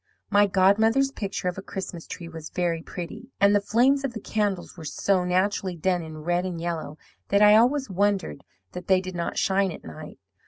"My godmother's picture of a Christmas tree was very pretty; and the flames of the candles were so naturally done in red and yellow that I always wondered that they did not shine at night.